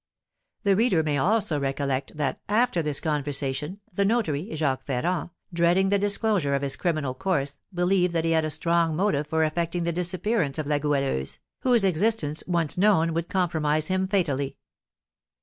The reader may also recollect that, after this conversation, the notary, Jacques Ferrand, dreading the disclosure of his criminal course, believed that he had a strong motive for effecting the disappearance of La Goualeuse, whose existence, once known, would compromise him fatally.